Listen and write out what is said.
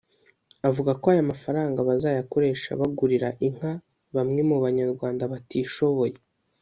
avuga ko aya mafaranga bazayakoresha bagurira inka bamwe mu banyarwanda batishoboye